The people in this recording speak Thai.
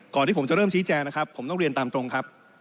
ที่ผมจะเริ่มชี้แจงนะครับผมต้องเรียนตามตรงครับ